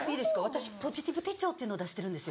私ポジティブ手帳っていうのを出してるんですよ。